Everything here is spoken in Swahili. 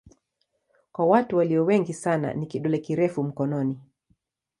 Kwa watu walio wengi sana ni kidole kirefu mkononi.